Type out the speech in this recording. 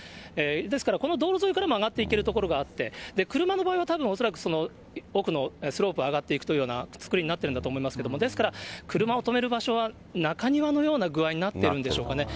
ですから、この道路沿いからも上がっていける所があって、車の場合は恐らくたぶん、奥のスロープを上がっていくというようなつくりになっているんだと思うんですけれども、ですから、車を止める場所は、中庭のような具合になってるんでしょうかね。